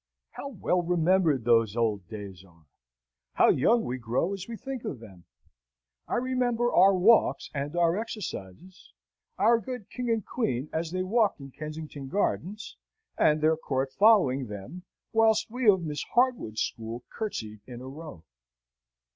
How well remembered those old days are! How young we grow as we think of them! I remember our walks and our exercises, our good King and Queen as they walked in Kensington Gardens, and their court following them, whilst we of Miss Hardwood's school curtseyed in a row.